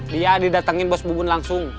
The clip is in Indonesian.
dia didatengin bos bubun langsung